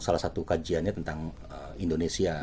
salah satu kajiannya tentang indonesia